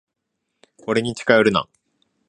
俺に近寄るな。